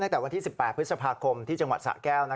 ตั้งแต่วันที่๑๘พฤษภาคมที่จังหวัดสะแก้ว